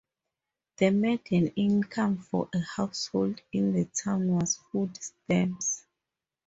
The median income for a household in the town was foodstamps.